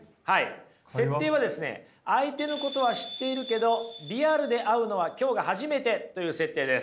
設定は相手のことは知っているけどリアルで会うのは今日が初めてという設定です。